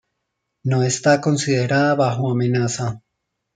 No está considerada bajo amenaza.